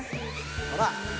ほら。